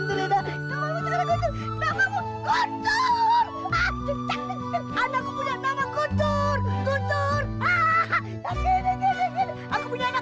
tidak akan tinggal dalam kuaku